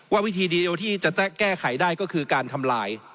วิธีเดียวที่จะแก้ไขได้ก็คือการทำลาย